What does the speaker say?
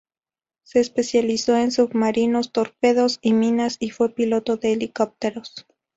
Se especializó en submarinos, torpedos y minas y fue piloto de helicópteros.